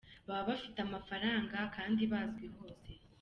Baba bafite amafaranga kandi bazwi hose.